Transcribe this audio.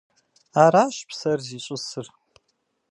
Аращ псэр зищӏысыр.